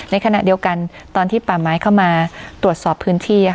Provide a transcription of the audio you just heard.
ในขณะเดียวกันตอนที่ป่าไม้เข้ามาตรวจสอบพื้นที่